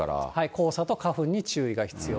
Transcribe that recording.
黄砂と花粉に注意が必要。